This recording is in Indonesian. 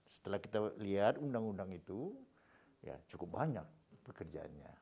setelah kita lihat undang undang itu ya cukup banyak pekerjaannya